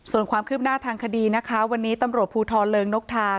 ส่วนความคืบหน้าทางคดีนะคะวันนี้ตำรวจภูทรเริงนกทา